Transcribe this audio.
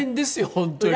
本当に。